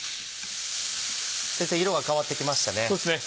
先生色が変わってきましたね。